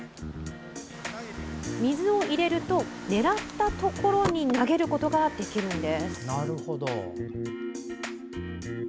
水を入れると、狙ったところに投げることができるのです。